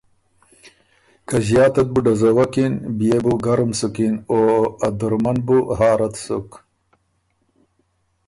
که زیاتت بُو ډزوکِن بيې بُو ګرُم سُکِن او ا دُرمه ن بُو هارت سُک،